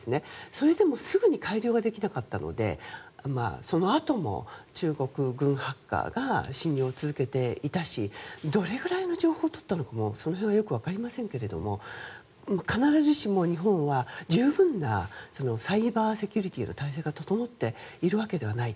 それでもすぐに改良ができなかったのでそのあとも中国軍ハッカーが侵入を続けていたしどれくらいの情報を取ったのかもその辺もわかりませんが必ずしも日本は十分なサイバーセキュリティーの体制が整っているわけではない。